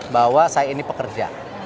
bahwa saya ini pekerja